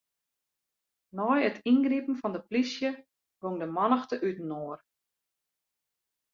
Nei it yngripen fan 'e plysje gong de mannichte útinoar.